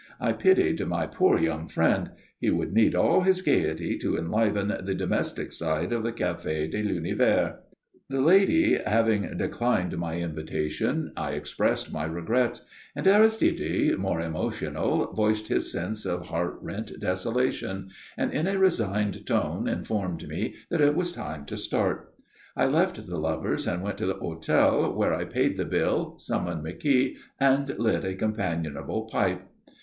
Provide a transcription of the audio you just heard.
I pitied my poor young friend; he would need all his gaiety to enliven the domestic side of the Café de l'Univers. The lady having declined my invitation, I expressed my regrets; and Aristide, more emotional, voiced his sense of heart rent desolation, and in a resigned tone informed me that it was time to start. I left the lovers and went to the hotel, where I paid the bill, summoned McKeogh, and lit a companionable pipe.